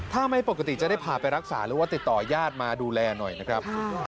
ถ้าไม่ปกติจะได้พาไปรักษาหรือว่าติดต่อยาดมาดูแลหน่อยนะครับ